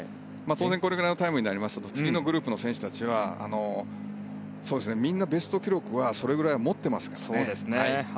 これくらいのタイムになりますと次のグループの選手たちはみんなベスト記録はそれぐらい持っていますから。